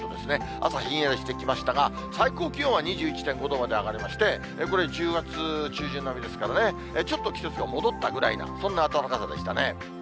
朝ひんやりしてきましたが、最高気温は２１．５度まで上がりまして、これ１０月中旬並みですからね、ちょっと季節が戻ったぐらいな、そんな暖かさでしたね。